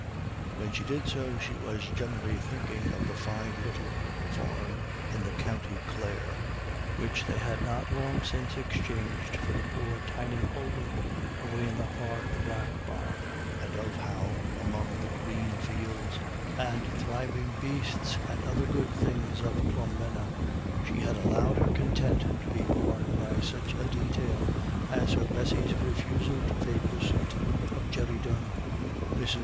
When she did so she was generally thinking of the fine little farm in the county Clare, which they had not long since exchanged for the poor tiny holding away in the heart of the black bog; and of how, among the green fields, and thriving beasts, and other good things of Clonmena, she had allowed her content to be marred by such a detail as her Bessy's refusal to favour the suit of Jerry Dunne. Mrs.